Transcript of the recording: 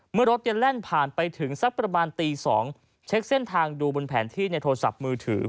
รถยังแล่นผ่านไปถึงสักประมาณตี๒เช็คเส้นทางดูบนแผนที่ในโทรศัพท์มือถือ